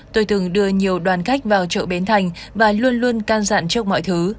tôi từng đưa nhiều đoàn khách vào chợ bến thành và luôn luôn can dặn trước mọi thứ